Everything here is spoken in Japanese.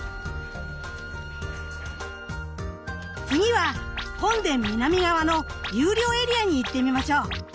次は本殿南側の有料エリアに行ってみましょう。